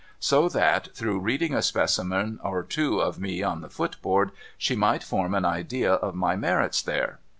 So that, through reading a specimen or two of me on the footboard, she might form an idea of my merits there.